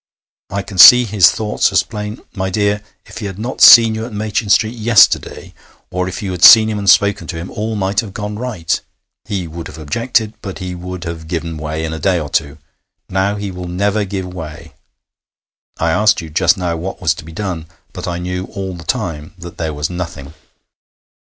I can see his thoughts as plain ... My dear, if he had not seen you at Machin Street yesterday, or if you had seen him and spoken to him, all might have gone right. He would have objected, but he would have given way in a day or two. Now he will never give way! I asked you just now what was to be done, but I knew all the time that there was nothing.'